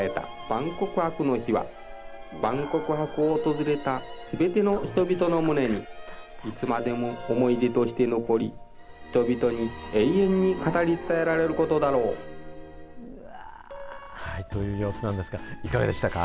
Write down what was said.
万国博の灯は、万国博を訪れたすべての人々の胸に、いつまでも思い出として残り、人々に永遠に語り伝えられることだろう。という様子なんですが、いかがでしたか。